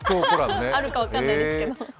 あるか分からないですけど。